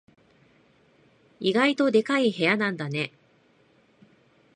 意外とでかい部屋なんだね。